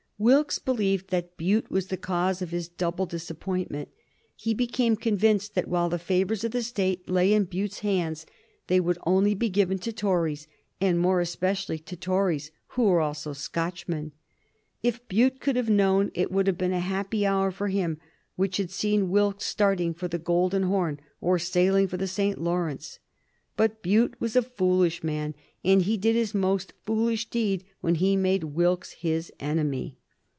Wilkes believed that Bute was the cause of his double disappointment. He became convinced that while the favors of the State lay in Bute's hands they would only be given to Tories, and more especially to Tories who were also Scotchmen. If Bute could have known, it would have been a happy hour for him which had seen Wilkes starting for the Golden Horn or sailing for the St. Lawrence. But Bute was a foolish man, and he did his most foolish deed when he made Wilkes his enemy.